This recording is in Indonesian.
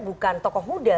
bukan tokoh muda